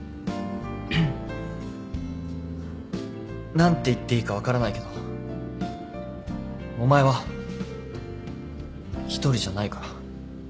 何て言っていいか分からないけどお前は１人じゃないから。